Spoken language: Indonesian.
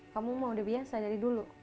kamu mau udah biasa dari dulu